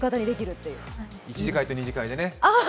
１次会と２次会でね。